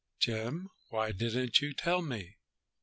"Jim, why didn't you tell me!"